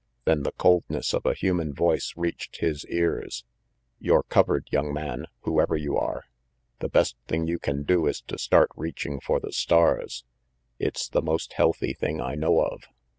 Then the coldness of a human voice reached his ears. ''You're covered, young man, whoever you are. The best thing you can do is to start reaching for the stars. It's the most healthy thing I know of."